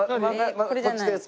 こっちです。